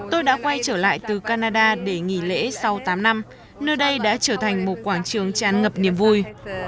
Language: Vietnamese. tôi đã quay trở lại từ canada để nghỉ lễ sau tám năm nơi đây đã trở thành một quảng trường tràn ngập niềm vui